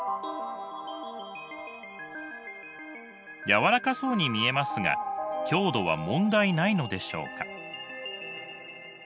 軟らかそうに見えますが強度は問題ないのでしょうか？